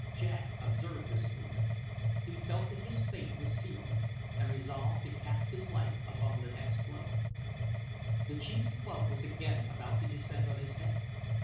Jack observed this movement. He felt that his fate was sealed, and resolved to cast his life upon the next blow. The chief's club was again about to descend on his head.